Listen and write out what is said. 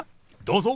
どうぞ。